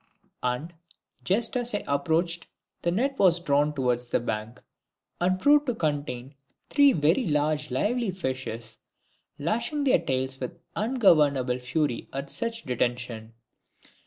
And, just as I approached, the net was drawn towards the bank, and proved to contain three very large lively fishes lashing their tails with ungovernable fury at such detention!